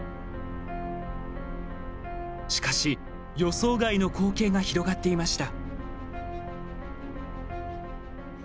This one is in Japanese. しかし、予想外の光景が広がっていました。